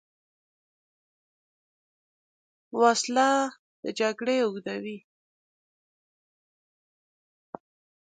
وسله د جګړې اوږدوې